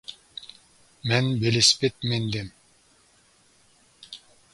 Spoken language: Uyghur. مەن ۋېلىسىپىت مىندىم.